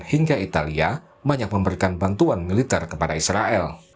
hingga italia banyak memberikan bantuan militer kepada israel